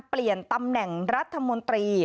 เปลี่ยนตำแหน่งรัฐมนตรี